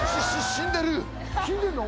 死んでるの？